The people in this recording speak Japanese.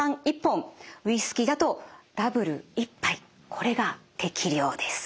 これが適量です。